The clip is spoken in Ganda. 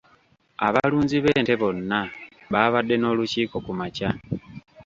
Abalunzi b'ente bonna baabadde n'olukiiko kumakya .